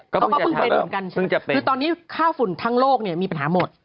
คือตอนนี้ข้าวฝุ่นทั้งโลกเนี่ยมีปัญหาหมด